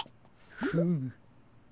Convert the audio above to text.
フム。